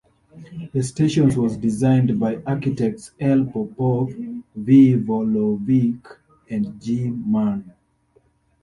The station was designed by architects L. Popov, V. Volovich, and G. Mun.